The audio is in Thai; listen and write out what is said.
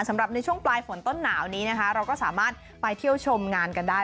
ในช่วงปลายฝนต้นหนาวนี้นะคะเราก็สามารถไปเที่ยวชมงานกันได้